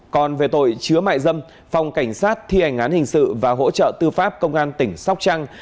còn về tội chứa mại dâm phòng cảnh sát thi hành án hình sự và hỗ trợ tư pháp công an tỉnh sóc trăng